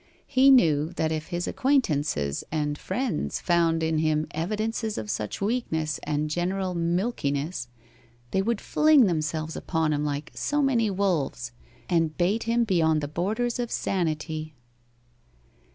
He knew that if his acquaintances and friends found in him evidences of such weakness and general milkiness, they would fling themselves upon him like so many wolves, and bait him beyond the borders of sanity.